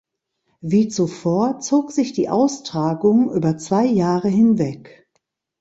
Wie zuvor zog sich die Austragung über zwei Jahre hinweg.